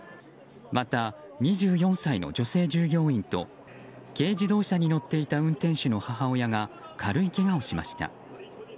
また、２４歳の女性従業員と軽自動車に乗っていた運転手の母親が軽いけがをしました。